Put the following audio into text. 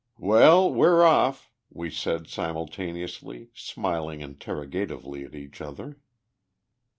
"Well, we're off!" we said simultaneously, smiling interrogatively at each other.